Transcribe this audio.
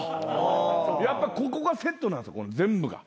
やっぱここがセットなんです全部が。